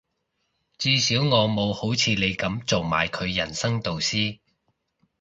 至少我冇好似你噉做埋佢人生導師